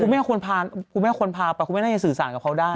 แม่ควรพาคุณแม่ควรพาไปคุณแม่น่าจะสื่อสารกับเขาได้